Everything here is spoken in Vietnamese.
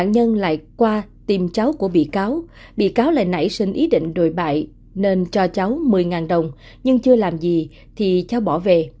nhưng lại qua tìm cháu của bị cáo bị cáo lại nảy sinh ý định đồi bại nên cho cháu một mươi đồng nhưng chưa làm gì thì cháu bỏ về